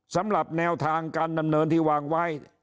สำหรับแนวทางการดำเนินที่วางไว้